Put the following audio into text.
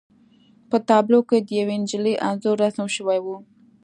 په تابلو کې د یوې نجلۍ انځور رسم شوی و